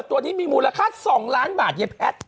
ตัวนี้มีมูลค่า๒ล้านบาทยายแพทย์